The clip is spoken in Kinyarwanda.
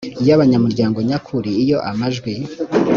y abanyamuryango nyakuri iyo amajwi